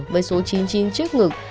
với số chín mươi chín trước ngực